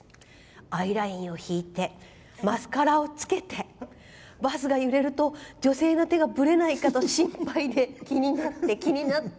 アイラインを引いてマスカラをつけてバスが揺れると女性の手がぶれないかと心配で気になって、気になって。